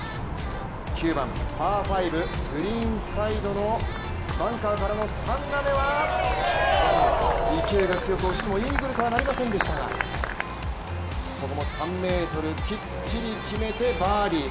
９番、パー５、グリーサイドのバンカーからの３打目は勢いが強く、惜しくもイーグルとはなりませんでしたがここも３ｍきっちり決めてバーディー。